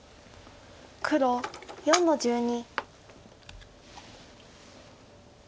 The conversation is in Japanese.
黒４の十二。